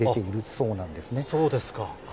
そうですか。